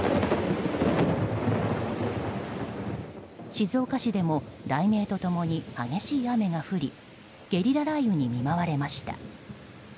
静岡市でも雷鳴と共に激しい雨が降りゲリラ雷雨に見舞われました。